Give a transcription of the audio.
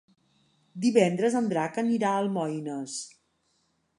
Divendres en Drac anirà a Almoines.